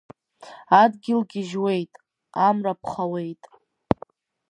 Адгьыл гьежьуеит, Амра ԥхауеит.